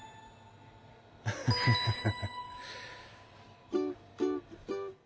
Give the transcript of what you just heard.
ハハハハ。